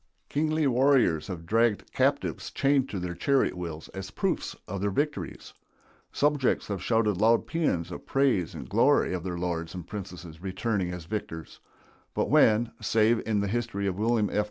Kingly warriors have dragged captives chained to their chariot wheels as proofs of their victories; subjects have shouted loud pæans of praise and glory of their lords and princes returning as victors; but when, save in the history of William F.